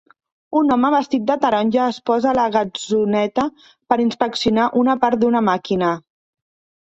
Un home vestit de taronja es posa a la gatzoneta per inspeccionar una part d'una màquina.